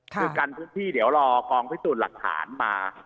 คือกันพื้นที่เดี๋ยวรอกองพิสูจน์หลักฐานมา